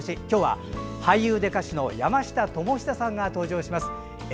今日は俳優で歌手の山下智久さんが登場します。